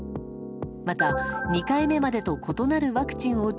また、２回目までと異なるワクチンを打つ